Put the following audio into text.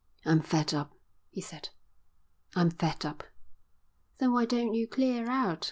"I'm fed up," he said. "I'm fed up." "Then why don't you clear out?"